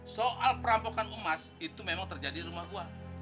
soal perampokan emas itu memang terjadi di rumah gua